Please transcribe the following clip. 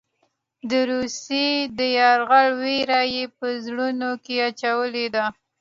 د روسیې د یرغل وېره یې په زړونو کې اچولې ده.